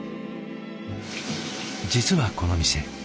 実はこの店